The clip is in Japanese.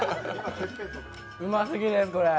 うますぎです、これ。